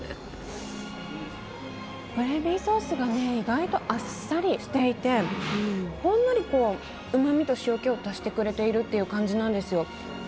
グレービーソースがね意外とあっさりしていてほんのりこううまみと塩気を足してくれているっていう感じなんですよ。